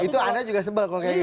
itu anda juga sebal kalau kayak gitu